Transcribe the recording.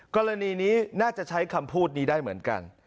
กรณีนี้น่าจะใช้คำพูดนี้ได้เหมือนกัน